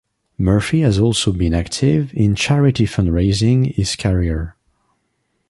Murphy has also been active in charity fund-raising his career.